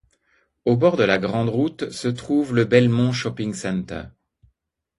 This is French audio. Au bord de la grande route se trouve le Belmont Shopping Centre.